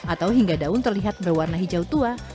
atau hingga daun terlihat berwarna hijau tua